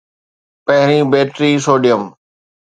پهرين battery sodium